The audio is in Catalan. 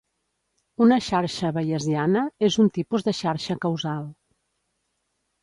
Una xarxa bayesiana és un tipus de xarxa causal.